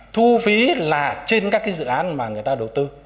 thu phí là trên các cái dự án mà người ta đầu tư